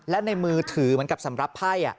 และในมือถือเหมือนกับสำหรับไพ่